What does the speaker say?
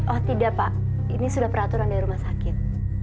oh tidak pak ini sudah peraturan dari rumah sakit